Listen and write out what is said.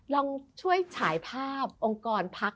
ลองช่วยฉายภาพองค์กรพัก